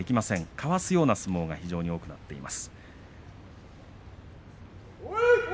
かわすような相撲が多くなっています。